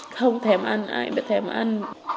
không thèm ăn ai mà thèm ăn